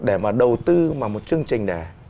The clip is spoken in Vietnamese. để mà đầu tư vào một chương trình để